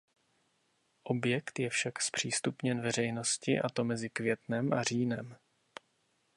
Objekt je však zpřístupněn veřejnosti a to mezi květnem a říjnem.